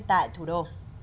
tại thủ đô